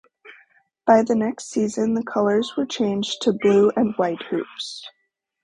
By the next season, the colours were changed to blue and white hoops.